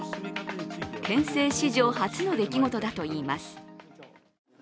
憲政史上初の出来事だといいます。